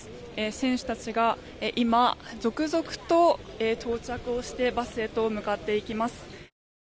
選手たちが今、続々と到着をしてバスへと向かっていきます。